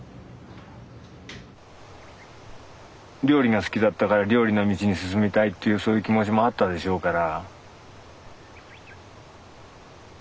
料理が好きだったから料理の道に進みたいっていうそういう気持ちもあったでしょうから。